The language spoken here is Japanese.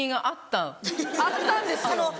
あったんですよ。